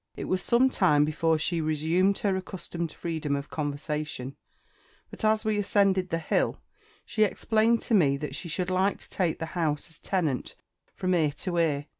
It was some time before she resumed her accustomed freedom of conversation; but as we ascended the hill she explained to me that she should like to take the house as tenant from 'ear to _'ear!